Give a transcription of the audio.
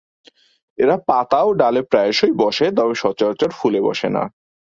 এরা পাতা ও ডালে প্রায়শই বসে, তবে সচারচর ফুলে বসে না।